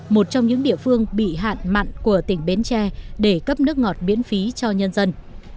một trong những địa phương bị hạn mặn của tỉnh bến tre để cấp nước ngọt miễn phí cho nhân dân